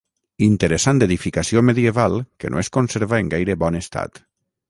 Interessant edificació medieval que no es conserva en gaire bon estat.